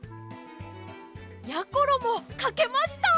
やころもかけました！